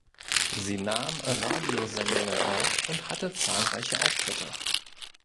Sie nahm Radiosendungen auf und hatte zahlreiche Auftritte.